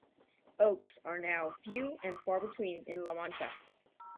Oaks are now few and far between in La Mancha.